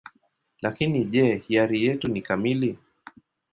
Lakini je, hiari yetu ni kamili?